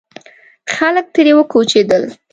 خلک ترې وکوچېدل.